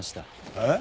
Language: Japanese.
えっ？